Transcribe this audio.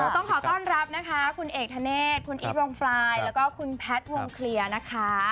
ต้องขอต้อนรับนะคะคุณเอกธเนธคุณอีทวงฟรายแล้วก็คุณแพทย์วงเคลียร์นะคะ